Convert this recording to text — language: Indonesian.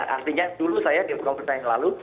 artinya dulu saya di kompetensi yang lalu